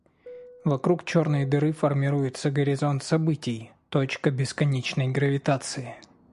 Вокруг черной дыры формируется горизонт событий — точка бесконечной гравитации.